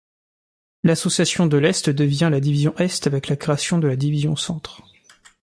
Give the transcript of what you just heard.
L'Association de l'Est devient la Division Est avec la création de la Division Centre.